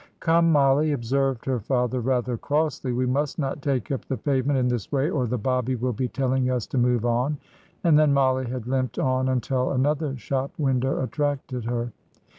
"Come, Mollie," observed her father, rather crossly, "we must not take up the pavement in this way or the Bobby will be telling us to move on;" and then Mollie had limped on until another shop window attracted her.